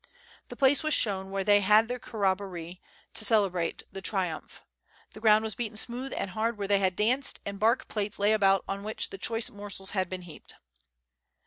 The place was shown where they had had their corrobboree, to celebrate the triumph. The ground was beaten smooth and hard where they had danced, and bark plates lay about on which the choice morsels had been heaped.